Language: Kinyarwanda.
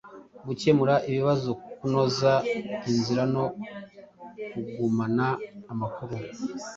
gukemura ibibazo, kunoza inzira no kugumana amakuru